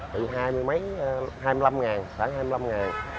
từ hai mươi mấy hai mươi lăm ngàn khoảng hai mươi lăm ngàn